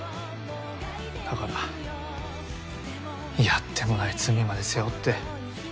だからやってもない罪まで背負って。